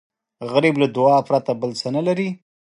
غریب له دعا پرته بل څه نه لري